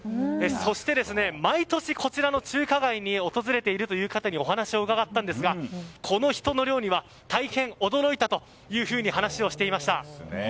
そして、毎年こちらの中華街に訪れている方にお話を伺ったんですがこの人の量には大変、驚いたと話をしていました。